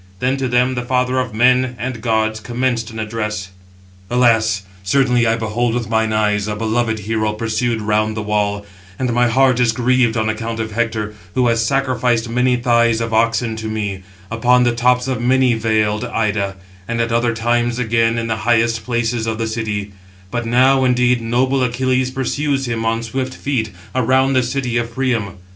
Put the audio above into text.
Then to them the father of men and gods commenced an address: Footnote 705: (return) I.e. race horses. "Alas! certainly I behold with mine eyes a beloved hero pursued round the wall; and my heart is grieved on account of Hector, who has sacrificed many thighs of oxen to me, upon the tops of many valed Ida, and at other times again in the highest [places of] the city; but now, indeed, noble Achilles pursues him, on swift feet, around the city of Priam.